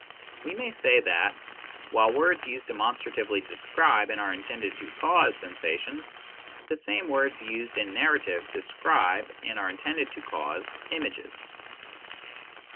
We may say that, while words used demonstratively describe and are intended to cause sensations, the same words used in narrative describe and are intended to cause images.